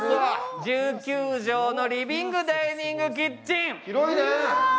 １９畳のリビングダイニングキッチン。